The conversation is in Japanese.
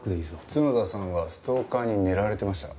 角田さんはストーカーに狙われてました。